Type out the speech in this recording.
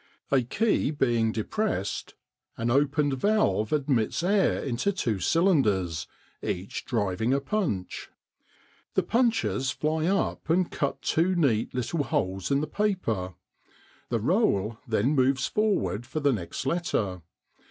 A key being depressed, an opened valve admits air into two cylinders, each driving a punch. The punches fly up and cut two neat little holes in the paper. The roll then moves forward for the next letter.